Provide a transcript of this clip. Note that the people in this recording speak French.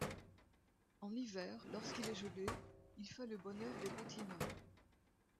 En hiver, lorsqu'il est gelé, il fait le bonheur des patineurs.